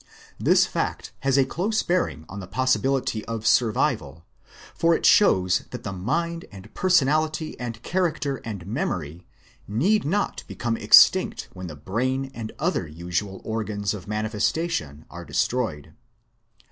This fact has a close bearing on the possibility of survival, for it shows that the mind and personality and char acter and memory need not become extinct when the brain and other usual organs of manifestation are destroyed.